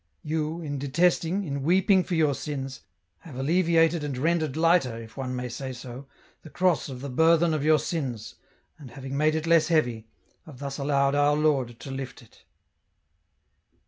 You, in detesting, in weeping for your sins, have alleviated and rendered lighter, if one may say so, the cross of the burthen of your sins, and having made it less heavy, have thus allowed Our Lord to lift it.